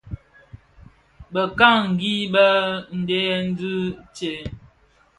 Bekangi bëdhen dhi tsè?